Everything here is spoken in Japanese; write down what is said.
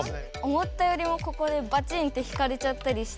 思ったよりもここでバチンって引かれちゃったりして。